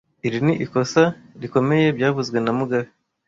Iri ni ikosa rikomeye byavuzwe na mugabe